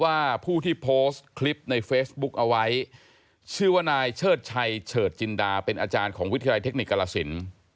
อาจารย์ของวิทยาลัยเทคนิคกาลสิน